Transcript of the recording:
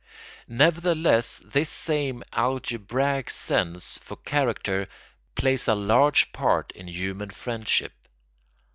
] Nevertheless this same algebraic sense for character plays a large part in human friendship.